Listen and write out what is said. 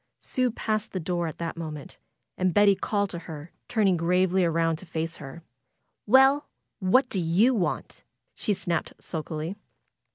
Sue passed the door at that moment. And Betty called to her, turning gravely around to face her. "Well! What do you want?" she snapped sulkily.